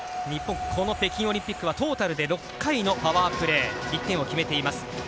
日本、この北京オリンピックはトータル６回のパワープレー、１点を決めています。